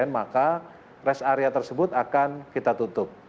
maka rest area tersebut akan kita tutup